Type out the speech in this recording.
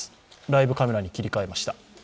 ライブカメラに切り替えました。